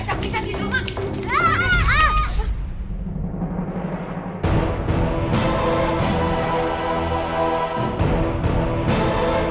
ar roadmap untuk dihasilkan